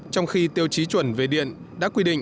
trong khi tiêu chí chuẩn về điện đã quy định